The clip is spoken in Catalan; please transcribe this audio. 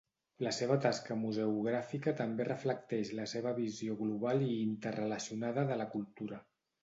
La seva tasca museogràfica també reflecteix la seva visió global i interrelacionada de la cultura.